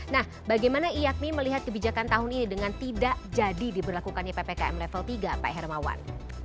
nah bagaimana iakmi melihat kebijakan tahun ini dengan tidak jadi diberlakukannya ppkm level tiga pak hermawan